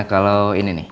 m finally yakin makasih